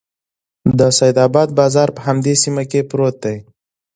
د سیدآباد بازار په همدې سیمه کې پروت دی.